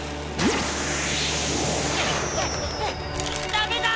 ダメだ！